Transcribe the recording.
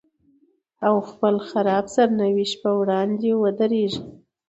او خپل خراب سرنوشت په وړاندې ودرېږي.